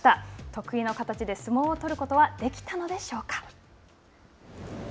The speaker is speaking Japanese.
得意の形で相撲を取ることはできたのでしょうか。